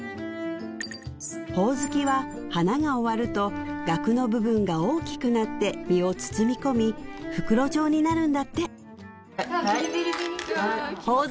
ほおずきは花が終わるとガクの部分が大きくなって実を包み込み袋状になるんだって・うわ